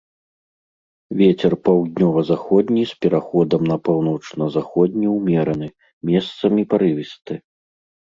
Вецер паўднёва-заходні з пераходам на паўночна-заходні ўмераны, месцамі парывісты.